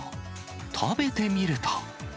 食べてみると。